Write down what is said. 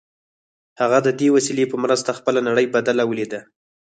هغه د دې وسیلې په مرسته خپله نړۍ بدله ولیده